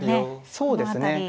そうですね。